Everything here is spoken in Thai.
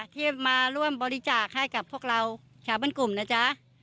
ที่มาร่วมบริจาคให้กับพวกเราชาวบ้านกลุ่มนะจ๊ะ